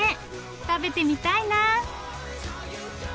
食べてみたいな。